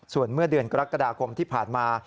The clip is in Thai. ส่วนเมื่อเดือนกรกฎาคมที่ผ่านมา